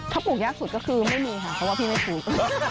ถ้าปลูกยากสุดก็คือไม่มีค่ะเพราะว่าพี่ไม่ปลูก